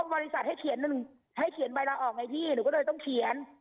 บริษัทให้เขียนหนึ่งให้เขียนใบลาออกไงพี่หนูก็เลยต้องเขียน